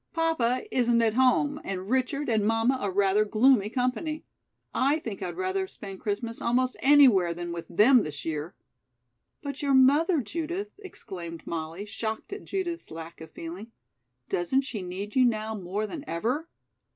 Papa isn't at home and Richard and mamma are rather gloomy company. I think I'd rather spend Christmas almost anywhere than with them, this year." "But your mother, Judith," exclaimed Molly, shocked at Judith's lack of feeling, "doesn't she need you now more than ever?"